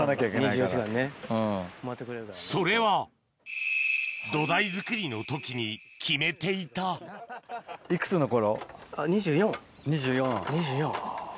それは土台作りの時に決めていたいくつの頃？